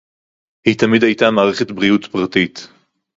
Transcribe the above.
היא תמיד היתה מערכת בריאות פרטית